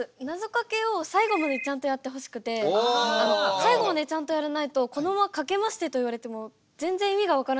最後までちゃんとやらないとこどもは「かけまして」と言われても全然意味が分からないんですよ。